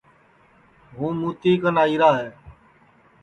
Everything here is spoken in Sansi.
ہوں مُتی کن آئیرا ہے